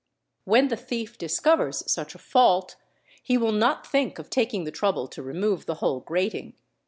i When the thief discovers such a fault he will not think of taking the trouble to remove the whole erating.